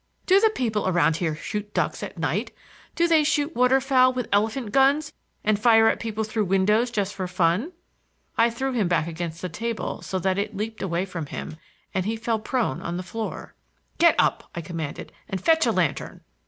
Do the people around here shoot ducks at night? Do they shoot water fowl with elephant guns and fire at people through windows just for fun?" I threw him back against the table so that it leaped away from him, and he fell prone on the floor. "Get up!" I commanded, "and fetch a lantern."